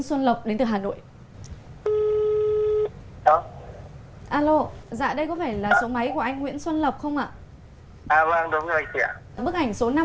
xuân lập đến từ hà nội alo dạ đây có phải là số máy của anh nguyễn xuân lập không ạ bức ảnh số năm